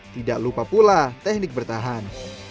tidak lupa pula teknik bertahan